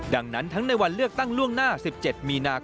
ดังนั้นทั้งในวันเลือกตั้งล่วงหน้า๑๗มีนาคม